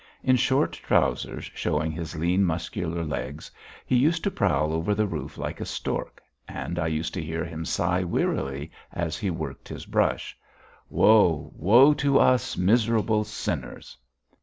In short trousers, showing his lean, muscular legs, he used to prowl over the roof like a stork, and I used to hear him sigh wearily as he worked his brush: "Woe, woe to us, miserable sinners!"